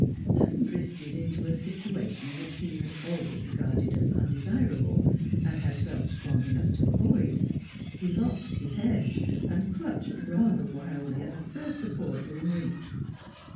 Having drifted into a situation which he had always regarded as undesirable, and had felt strong enough to avoid, he lost his head, and clutched rather wildly at the first support within reach.